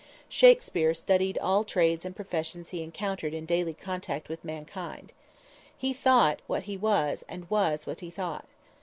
Shakspere studied all trades and professions he encountered in daily contact with mankind. He thought what he was and was what he thought!